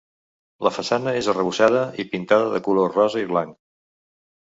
La façana és arrebossada i pintada de color rosa i blanc.